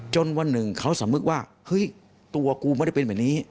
จนวันหนึ่งเขาสมมุติว่าตัวกูไม่ได้เป็นแบบนี้